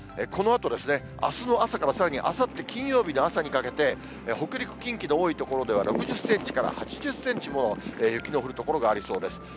このあと、あすの朝からさらにあさって金曜日の朝にかけて、北陸、近畿で多い所では６０センチから８０センチも雪の降る所がありそうです。